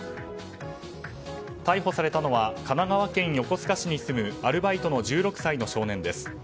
逮捕されたのは神奈川県横須賀市に住むアルバイトの１６歳の少年です。